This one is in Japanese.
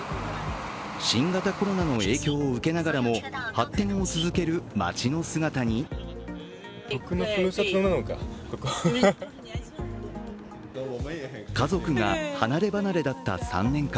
新型コロナの影響を受けながらも発展を続ける街の姿に家族が離ればなれだった３年間。